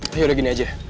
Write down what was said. yaudah gini aja